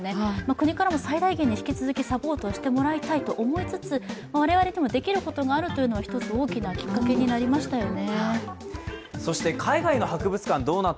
国から最大限引き続きサポートしてもらいたいと思いつつ、我々でもできることがあるというのは一つ、大きなきっかけになりましたよね。